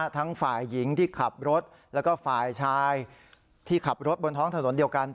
ทั้งฝ่ายหญิงที่ขับรถแล้วก็ฝ่ายชายที่ขับรถบนท้องถนนเดียวกัน